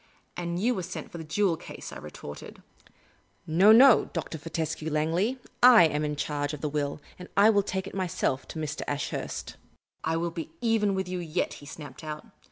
" And you were sent for the jewel case," I retorted. " No, no, Dr. Fortescue Langley ;/ am in charge of the will, and I will take it myself to Mr. Ashurst." " I will be even with you yet," he snapped out.